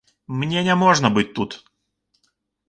Мне няможна быць тут.